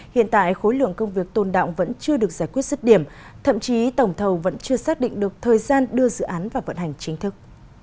hiện tại khối lượng công việc tôn đạo vẫn chưa được giải quyết sức điểm thậm chí tổng thầu vẫn chưa xác định được thời gian đưa dự án vào vận hành chính thức